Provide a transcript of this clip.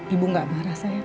ibu gak marah sayang